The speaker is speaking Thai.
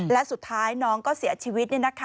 และสุดท้ายน้องก็เสียชีวิต